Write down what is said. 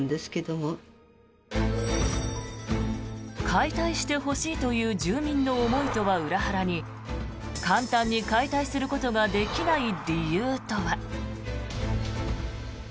解体してほしいという住民の思いとは裏腹に簡単に解体することができない理由とは。